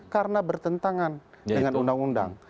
karena bertentangan dengan undang undang